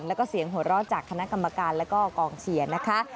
แล้วก็เสียงหัวเราะจากคณะกรรมการแล้วก็กองเชียร์นะคะ